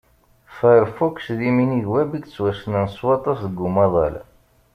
Firefox d iminig Web i yettwassnen s waṭas deg umaḍal.